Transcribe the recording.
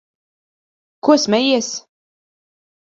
Ko smejies?